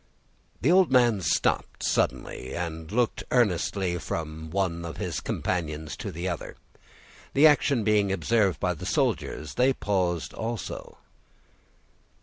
The old man stopped suddenly, and looked earnestly from one of his companions to the other; the action being observed by the soldiers, they paused also.